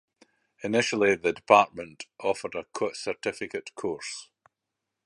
Initially the department offered a certificate course.